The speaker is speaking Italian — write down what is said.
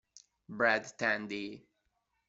Brad Tandy